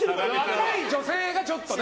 若い女性がちょっとね。